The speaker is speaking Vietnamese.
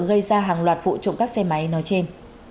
gây ra hàng loạt vụ trộm cắp xe máy nói trên